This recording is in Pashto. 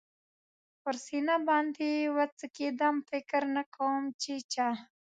پر سینه باندې و څکېدم، فکر نه کوم چې چا.